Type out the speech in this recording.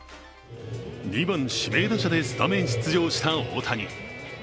２番・指名打者でスタメン出場した大谷。